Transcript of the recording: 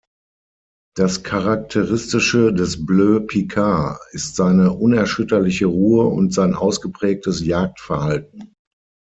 Das charakteristische des Bleu Picard ist seine unerschütterliche Ruhe und sein ausgeprägtes Jagdverhalten.